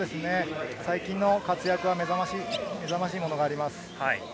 最近の活躍は目覚ましいものがあります。